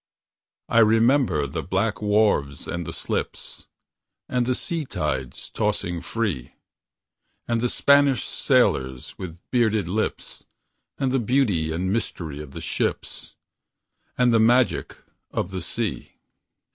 I remember the black wharves and the slips, And the sea tides tossing free; And Spanish sailors with bearded lips, And the beauty and mystery of the ships, And the magic of the sea.